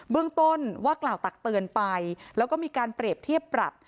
เรื่องต้นว่ากล่าวตักเตือนไปแล้วก็มีการเปรียบเทียบปรับ